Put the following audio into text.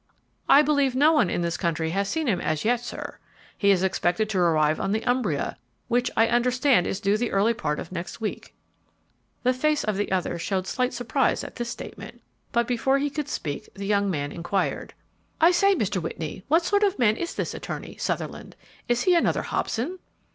"I believe no one in this country has seen him as yet, sir. He is expected to arrive on the 'Umbria,' which I understand is due the early part of next week." The face of the other showed slight surprise at this statement, but, before he could speak, the young man inquired, "I say, Mr. Whitney, what sort of a man is this attorney, Sutherland? Is he another Hobson?"